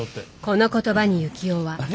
この言葉に幸男は。